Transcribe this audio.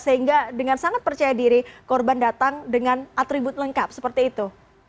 sehingga dengan sangat percaya diri korban datang dengan atribut lengkap seperti itu